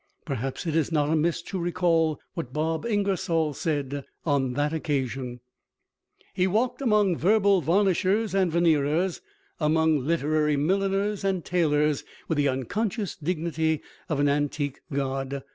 Perhaps it is not amiss to recall what Bob Ingersoll said on that occasion: "He walked among verbal varnishers and veneerers, among literary milliners and tailors, with the unconscious dignity of an antique god.